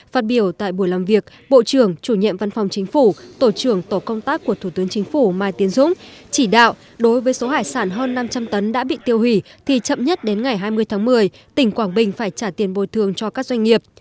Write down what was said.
phát biểu tại buổi làm việc bộ trưởng chủ nhiệm văn phòng chính phủ tổ trưởng tổ công tác của thủ tướng chính phủ mai tiến dũng chỉ đạo đối với số hải sản hơn năm trăm linh tấn đã bị tiêu hủy thì chậm nhất đến ngày hai mươi tháng một mươi tỉnh quảng bình phải trả tiền bồi thường cho các doanh nghiệp